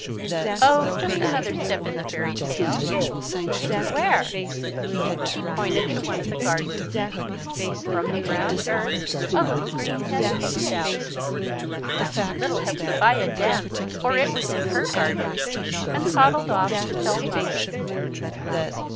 "Oh, just another step in the fairy tale." "Where?" He pointed to one of the gardens. From the brown earth a little green head poked out. Little Hepzebiah danced for it was in her garden, and toddled off to tell Mother.